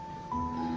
うん。